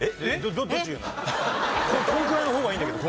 このくらいの方がいいんだけど。